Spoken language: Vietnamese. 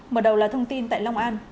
mở đầu là thông tin tại long an